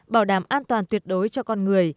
bảo đảm an toàn tuyệt đối cho con người